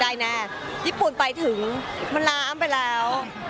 ยาปุ่นไปถึงก็ล้ามไปแล้ว